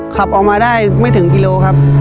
ขับออกมาได้ไม่ถึงกิโลครับ